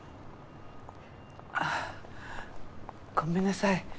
ああごめんなさい。